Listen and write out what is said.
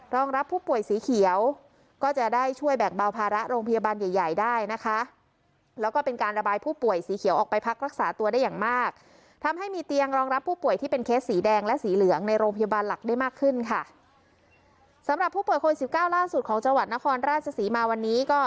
หลักได้มากขึ้นค่ะสำหรับผู้ป่วยโควิดสิบเก้าล่าสุดของจังหวัดนครราชศรีมาวันนี้ก็